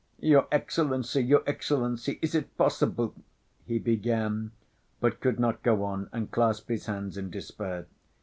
"Your Excellency, your Excellency ... is it possible?" he began, but could not go on and clasped his hands in despair.